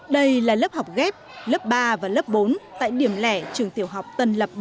đây là lớp học ghép lớp ba và lớp bốn tại điểm lẻ trường tiểu học tân lập bốn